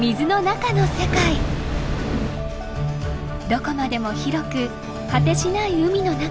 どこまでも広く果てしない海の中。